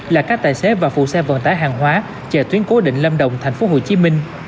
là các tài xế và phụ xe vận tải hàng hóa chờ tuyến cố định lâm đồng thành phố hồ chí minh